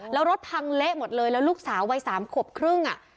แล้วรถพังเละหมดเลยแล้วลูกสาววัยสามขวบครึ่งอ่ะ